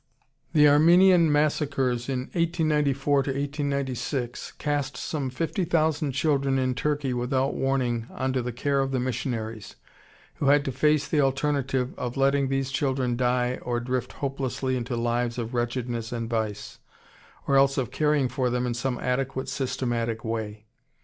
] The Armenian massacres in 1894 96 cast some fifty thousand children in Turkey without warning onto the care of the missionaries, who had to face the alternative of letting these children die or drift hopelessly into lives of wretchedness and vice, or else of caring for them in some adequate, systematic way.